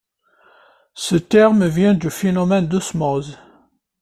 Ce terme vient du phénomène d'osmose.